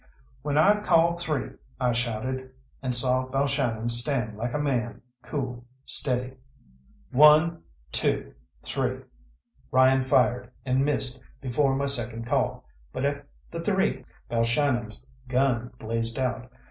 "When I call 'Three!'" I shouted, and saw Balshannon stand like a man, cool, steady. "One, two, three!" Ryan fired and missed before my second call, but at the "Three" Balshannon's gun blazed out.